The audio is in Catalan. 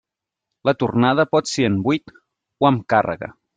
La tornada pot ser en buit o amb càrrega.